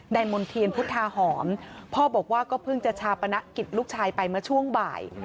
มณ์เทียนพุทธาหอมพ่อบอกว่าก็เพิ่งจะชาปนกิจลูกชายไปเมื่อช่วงบ่าย